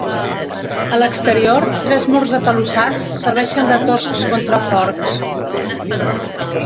A l'exterior, tres murs atalussats serveixen de toscs contraforts.